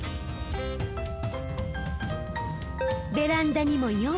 ベランダにも４。